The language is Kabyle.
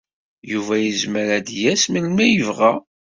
Yuba yezmer ad d-yas melmi ay yebɣa.